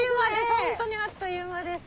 本当にあっという間です。